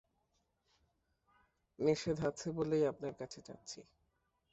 নিষেধ আছে বলেই আপনার কাছে চাচ্ছি।